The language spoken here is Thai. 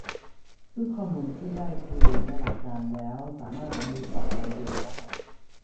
ซึ่งข้อมูลที่ได้คือในหลักการแล้วสามารถมีบัตรใบเดียวได้